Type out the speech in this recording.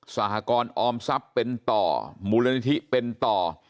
สหกรออมทรัพย์เป็นต่อมูลนิธิเป็นต่อ